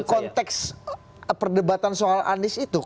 konteks perdebatan soal anies itu